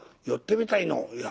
寄ってみたいのう」。